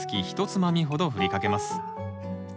つまみほどふりかけます。